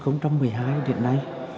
năm hai nghìn một mươi hai đến nay